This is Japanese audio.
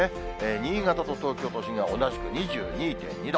新潟と東京都心は同じく２２．２度。